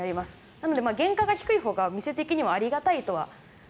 なので、原価が低いほうが店的にはありがたいとは思います。